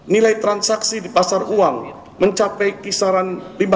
nilai transaksi di pasar uang mencapai kisaran lima belas dua puluh